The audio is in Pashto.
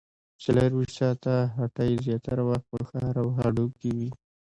څلورویشت ساعته هټۍ زیاتره وخت په ښار او هډو کې وي